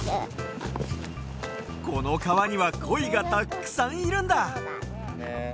このかわにはコイがたっくさんいるんだ！